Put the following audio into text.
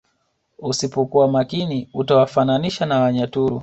Usipokua makini utawafananisha na wanyaturu